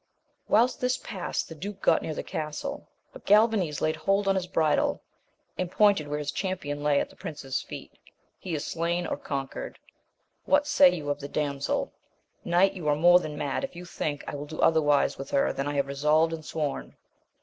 While this past the duke got near the castle, but Galvanes laid hold on his bridle, and pointed where his champion lay at the prince's feet ;— he is slain or conguered/ what say you o£ t\i^ ^ascL^^V ^faiv^:^*^ 106 AMADIS OF GAUL. you are more than mad if you think I wiir do otherwise with her than I have resolved and sworn.